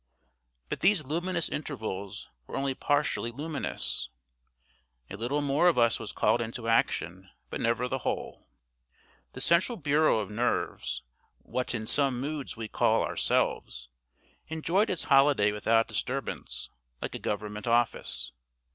But these luminous intervals were only partially luminous. A little more of us was called into action, but never the whole. The central bureau of nerves, what in some moods we call Ourselves, enjoyed its holiday without disturbance, like a Government Office.